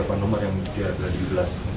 langsung di belas